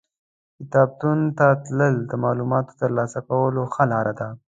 کتابتون ته تلل د معلوماتو ترلاسه کولو ښه لار ده.